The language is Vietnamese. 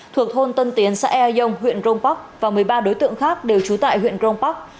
thuộc thôn tân tiến xã ea dông huyện grong park và một mươi ba đối tượng khác đều trú tại huyện grong park